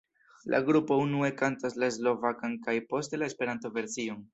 La grupo unue kantas la slovakan kaj poste la Esperanto-version.